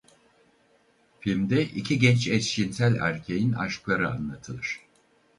Filmde iki genç eşcinsel erkeğin aşkları anlatılır.